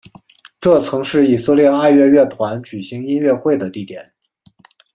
这曾是以色列爱乐乐团举行音乐会的地点。